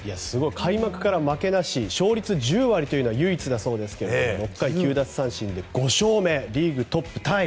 開幕から負けなし勝率１０割というのは唯一だそうですが６回９奪三振で５勝目リーグトップタイ。